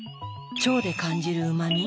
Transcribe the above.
腸で感じるうま味？